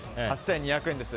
８２００円です。